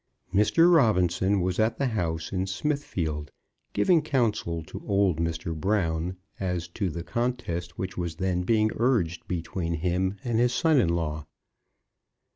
Mr. Robinson was at the house in Smithfield, giving counsel to old Mr. Brown as to the contest which was then being urged between him and his son in law.